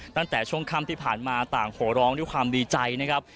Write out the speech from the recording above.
ตั้งแต่ช่วงค่ำที่ผ่านมาต่างโหร้องด้วยความดีใจนะครับ